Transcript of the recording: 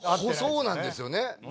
そうなんですよね。